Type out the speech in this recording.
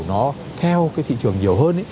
nó theo cái thị trường nhiều hơn